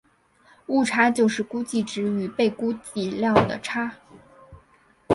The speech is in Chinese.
误差就是估计值与被估计量的差。